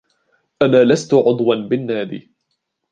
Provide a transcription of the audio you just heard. انا لست عضوا بالناد.